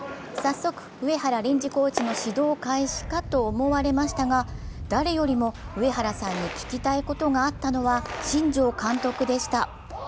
早速、上原臨時コーチの指導開始かと思われましたが誰よりも上原さんに聞きたいことがあったのは、新庄監督でした。